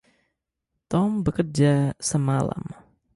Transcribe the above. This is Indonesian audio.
Tom bekerja semalam.